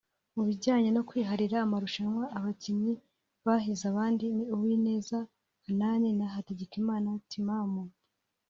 Mu bijyanye no kwiharira amarushanwa abakinnyi bahize abandi ni Uwineza Hanani na Hategekimana Timamu